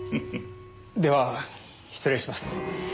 では失礼します。